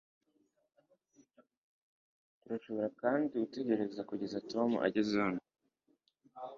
turashobora kandi gutegereza kugeza tom ageze hano